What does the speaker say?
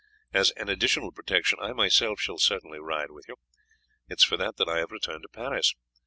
As an additional protection I myself shall certainly ride with you. It is for that that I have returned to Paris.